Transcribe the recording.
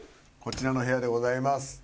こちらの部屋でございます。